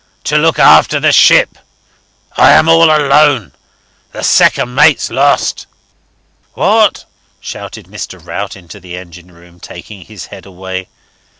To look after the ship. I am all alone. The second mate's lost. ..." "What?" shouted Mr. Rout into the engine room, taking his head away.